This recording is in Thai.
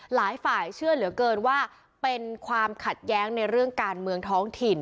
หลายฝ่ายเชื่อเหลือเกินว่าเป็นความขัดแย้งในเรื่องการเมืองท้องถิ่น